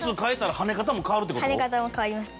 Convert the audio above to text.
跳ね方も変わります